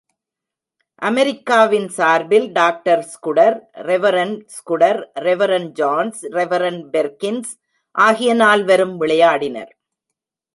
அமெரிக்காவின் சார்பில் doctor Scudder, reverend Scudder, reverend Jones, reverend Perkins ஆகிய நால்வரும் விளையாடினர்.